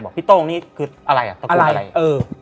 บอกพี่โต่งนี่คืออะไรตะกรุดอะไร